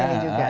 di sini juga